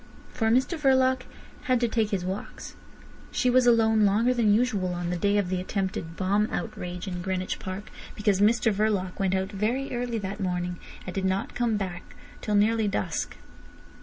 For Mr Verloc had to take his walks. She was alone longer than usual on the day of the attempted bomb outrage in Greenwich Park, because Mr Verloc went out very early that morning and did not come back till nearly dusk.